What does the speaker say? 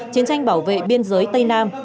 chiến tranh bảo vệ biên giới tây nam